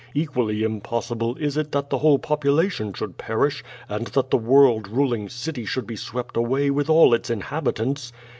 Equally impossible is it that the whole population should perish, and that the world ruling city should be swept away with all its inhabitants.